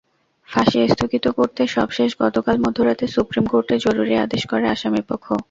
ফাঁসি স্থগিত করতে সবশেষ গতকাল মধ্যরাতে সুপ্রিম কোর্টে জরুরি আবেদন করে আসামিপক্ষ।